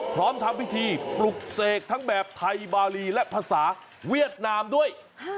ทำพิธีปลุกเสกทั้งแบบไทยบารีและภาษาเวียดนามด้วย